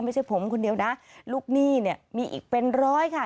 ไม่ใช่ผมคนเดียวนะลูกหนี้เนี่ยมีอีกเป็นร้อยค่ะ